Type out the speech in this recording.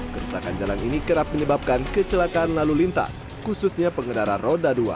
kerusakan jalan ini kerap menyebabkan kecelakaan lalu lintas khususnya pengendara roda dua